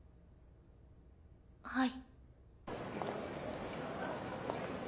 はい。